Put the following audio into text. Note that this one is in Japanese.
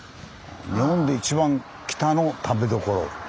「日本で一番北の食べ処」。